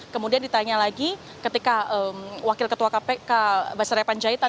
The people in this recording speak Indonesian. kemudian ditanya lagi ketika wakil ketua kpk basarya panjaitan